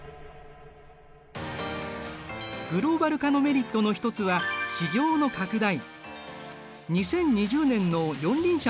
グローバル化のメリットの一つは市場の拡大。